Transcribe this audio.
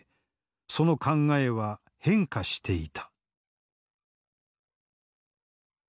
その考えは変化していた。